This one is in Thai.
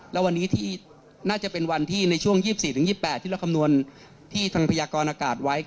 แล้ววันนี้ที่น่าจะเป็นวันที่ในช่วง๒๔๒๘ที่เราคำนวณที่ทางพยากรอากาศไว้